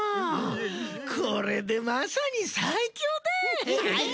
これでまさにさいきょうだい。